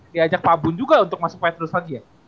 diajak pak bun juga untuk masuk petrus lagi ya